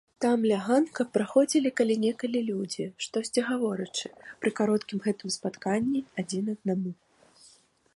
Там ля ганка праходзілі калі-нікалі людзі, штосьці гаворачы, пры кароткім гэтым спатканні, адзін аднаму.